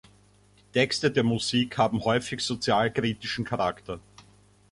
Die Texte der Musik haben häufig sozialkritischen Charakter.